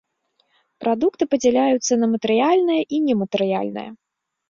Прадукты падзяляюцца на матэрыяльныя і нематэрыяльныя.